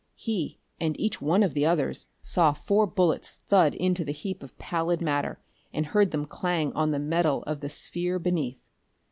He, and each one of the others, saw four bullets thud into the heap of pallid matter and heard them clang on the metal of the sphere beneath.